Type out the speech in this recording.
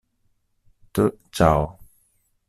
T. Chao